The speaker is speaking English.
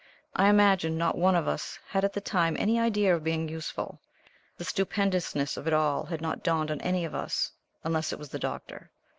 I imagine not one of us had at that time any idea of being useful the stupendousness of it all had not dawned on any of us unless it was the Doctor.